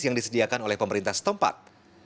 yang disediakan oleh pemerintah setempat